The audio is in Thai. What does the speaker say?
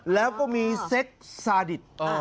แล้วก็มีเซ็กซาดิต